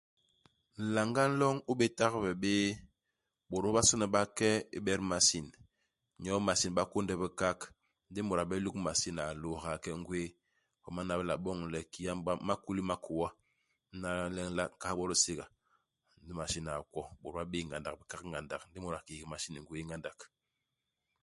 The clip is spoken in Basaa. Nlanga nloñ u bé tagbe bé, bôt bobasôna ba ke ibet i masin. Nyoo i masin, ba kônde bikak. Ndi imut a bé luk masin a lôôhaga ke ngwéé. I homa nu a bi lo a boñ le, ki a m'bol i makuli ma hikôa, hana le u nla nkahal bol i Séga, ndi masin a kwo. Bôt ba bé'é ngandak, bikak ngandak. Ndi mut a kihik masin ngwéé ngandak.